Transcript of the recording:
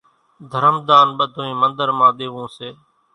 ڌرم ۮان ٻڌونئين منۮر مان ۮيوون سي۔